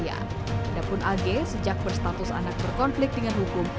walaupun ag sejak berstatus anak berkonflik dengan hukum